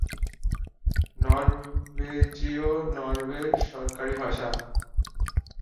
নরওয়েজীয় নরওয়ের সরকারি ভাষা।